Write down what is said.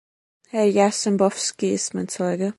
Herr Jarzembowski ist mein Zeuge.